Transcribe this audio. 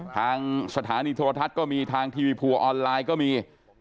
ทางสถานีโทรทัศน์ก็มีทางทีวีพัวออนไลน์ก็มี